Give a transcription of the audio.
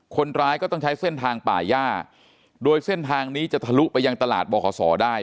คนร้ายก็ต้องใช้เส้นทางป่าย่าโดยเส้นทางนี้จะทะลุไปยังตลาดบขศได้